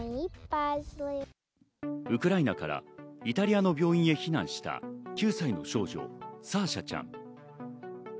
ウクライナからイタリアの病院へ避難した９歳の少女・サーシャちゃん。